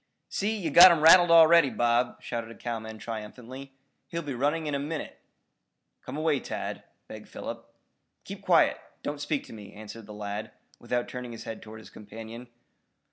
"See, you've got him rattled already, Bob," shouted a cowman triumphantly. "He'll be running in a minute." "Come away, Tad," begged Philip. "Keep quiet. Don't speak to me," answered the lad, without turning his head toward his companion.